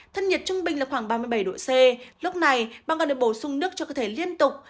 thân nhiệt trung bình là khoảng ba mươi bảy độ c lúc này băng còn được bổ sung nước cho cơ thể liên tục